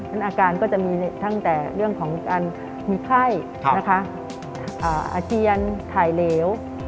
อาการก็จะมีตั้งแต่เรื่องของการมีไข้นะคะอาเจียนถ่ายเหลว